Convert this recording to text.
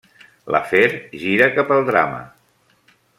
L'afer gira cap al drama.